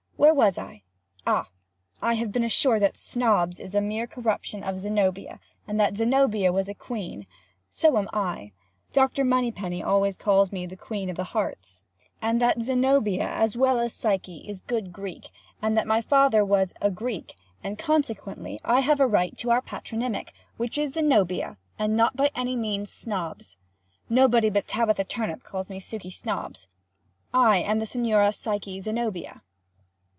] Where was I? Ah! I have been assured that Snobbs is a mere corruption of Zenobia, and that Zenobia was a queen—(So am I. Dr. Moneypenny always calls me the Queen of the Hearts)—and that Zenobia, as well as Psyche, is good Greek, and that my father was "a Greek," and that consequently I have a right to our patronymic, which is Zenobia and not by any means Snobbs. Nobody but Tabitha Turnip calls me Suky Snobbs. I am the Signora Psyche Zenobia.